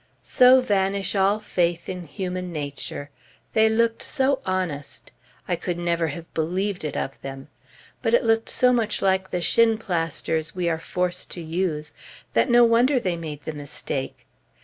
So vanish all faith in human nature! They looked so honest! I could never have believed it of them! But it looked so much like the "shinplasters" we are forced to use, that no wonder they made the mistake.